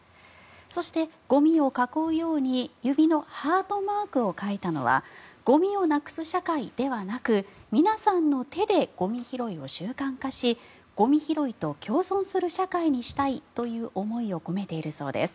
そして、ゴミを囲うように指のハートマークを描いたのはゴミをなくす社会ではなく皆さんの手でゴミ拾いを習慣化しゴミ拾いと共存する社会にしたいという思いを込めているそうです。